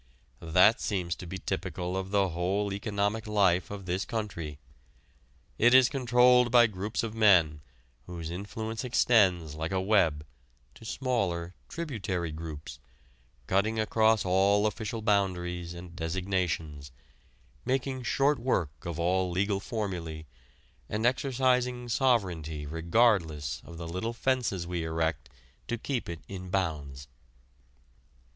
That seems to be typical of the whole economic life of this country. It is controlled by groups of men whose influence extends like a web to smaller, tributary groups, cutting across all official boundaries and designations, making short work of all legal formulæ, and exercising sovereignty regardless of the little fences we erect to keep it in bounds.